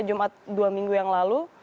jumat dua minggu yang lalu